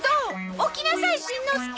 起きなさいしんのすけ！